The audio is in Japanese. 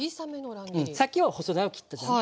さっきは細長く切ったじゃない。